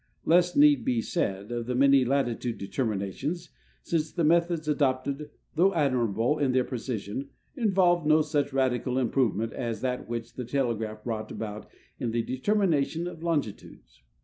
Less need be said of the many latitude determinations, since the metiiods adopted, though admirable in their precision, involved no such radical improvement as that which the telegraph brought about in the determination of longitudes.